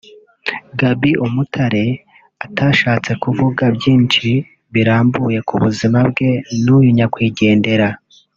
Gaby Umutare utashatse kuvuga byinshi birambuye ku buzima bwe n’uyu nyakwigendera